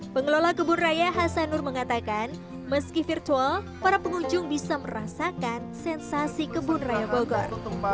pengelola kebun raya hasanur mengatakan meski virtual para pengunjung bisa merasakan sensasi kebun raya bogor